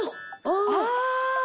ああ！